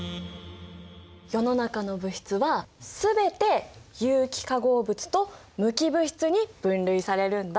世の中の物質は全て有機化合物と無機物質に分類されるんだ。